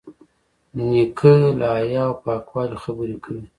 نیکه له حیا او پاکوالي خبرې کوي.